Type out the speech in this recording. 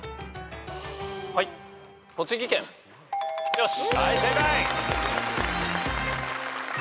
よし。